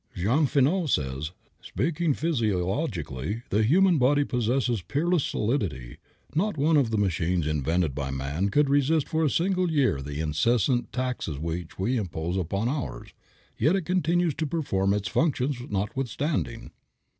Jean Finot says: "Speaking physiologically, the human body possesses peerless solidity. Not one of the machines invented by man could resist for a single year the incessant taxes which we impose upon ours. Yet it continues to perform its functions notwithstanding."